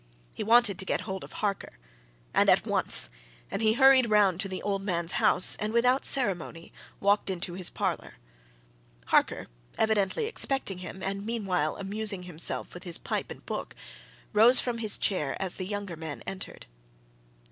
He wanted to get hold of Harker, and at once, and he hurried round to the old man's house and without ceremony walked into his parlour. Harker, evidently expecting him, and meanwhile amusing himself with his pipe and book, rose from his chair as the younger man entered.